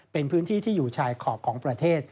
เป็นพื้นที่ที่อยู่ชายขอบของประเทศ